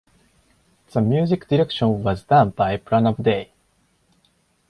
The music direction was done by Pranab Dey.